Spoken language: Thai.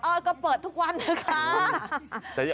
ก็เปิดทุกวันนะคะ